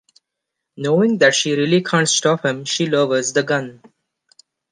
Knowing that she really can't stop him, she lowers the gun.